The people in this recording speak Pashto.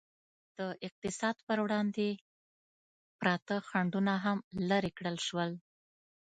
د اقتصاد پر وړاندې پراته خنډونه هم لرې کړل شول.